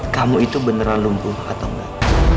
kamu itu beneran lumpuh atau enggak